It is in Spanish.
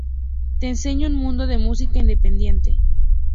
te enseñó un mundo de música independiente